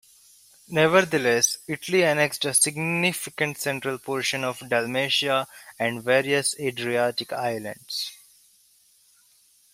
Nevertheless, Italy annexed a significant central portion of Dalmatia and various Adriatic Islands.